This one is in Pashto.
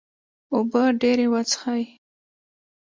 اوبه ډیرې وڅښئ